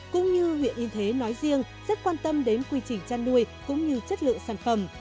cũng như huyện yên thế nói riêng rất quan tâm đến quy trình chăn nuôi cũng như chất lượng sản phẩm